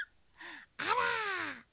あら。